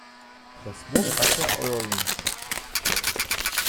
Das Wort hat Herr Eurlings.